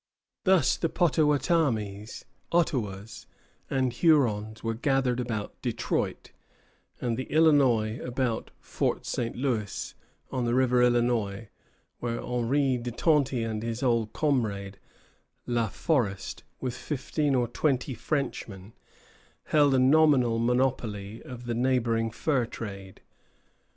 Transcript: Thus the Pottawattamies, Ottawas, and Hurons were gathered about Detroit, and the Illinois about Fort St. Louis, on the river Illinois, where Henri de Tonty and his old comrade, La Forest, with fifteen or twenty Frenchmen, held a nominal monopoly of the neighboring fur trade.